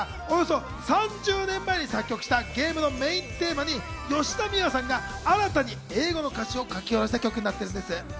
中村さんがおよそ３０年前に作曲したゲームのメインテーマに吉田美和さんが新たに英語の歌詞を書き下ろした曲になっているんです。